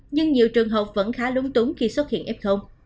nhưng nhiều trường học vẫn khá lúng túng khi xuất hiện f